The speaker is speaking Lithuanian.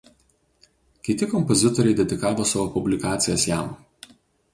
Kiti kompozitoriai dedikavo savo publikacijas jam.